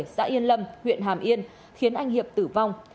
xã yên lâm huyện hàm yên khiến anh hiệp tử vong